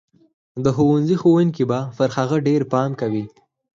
د ښوونځي ښوونکي به پر هغه ډېر پام کوي.